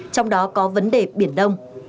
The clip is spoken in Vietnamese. trong đó có vấn đề biển đông